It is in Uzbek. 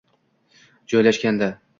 joylashgandi.